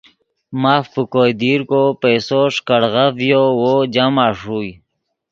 ماف پے کوئے دیر کو پیسو ݰیکڑغف ڤیو وو جمع ݰوئے